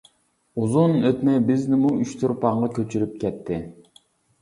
ئۇزۇن ئۆتمەي بىزنىمۇ ئۇچتۇرپانغا كۆچۈرۈپ كەتتى.